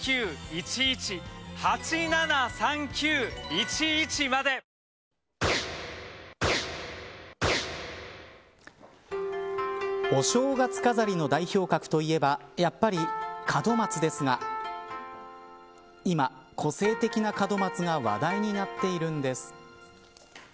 光る門松に何やら、機械のような門松お正月飾りの代表格といえばやっぱり門松ですが今、個性的な門松が話題になっているんです。